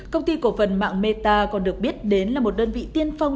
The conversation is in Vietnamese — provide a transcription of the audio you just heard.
công ty cổ phần mạng meta còn được biết đến là một đơn vị tiên phong